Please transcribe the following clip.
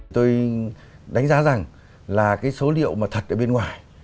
tôi đánh giá rằng là cái số liệu mà thật ở bên ngoài